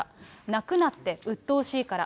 泣くなって、うっとうしいから。